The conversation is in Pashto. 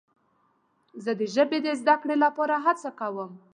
زه د ژبې زده کړې لپاره هڅه کوم.